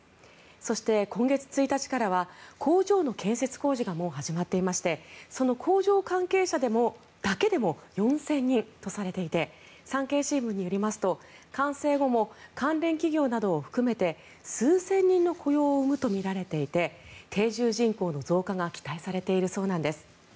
そして、今月１日からは工場の建設工事がもう始まっていましてその工場関係者だけでも４０００人とされていて産経新聞によりますと完成後も関連企業などを含めて数千人の雇用を生むとみられていて定住人口の増加が期待されているそうなんです。